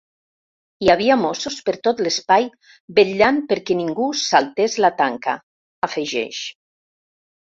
Hi havia mossos per tot l’espai vetllant perquè ningú saltés la tanca, afegeix.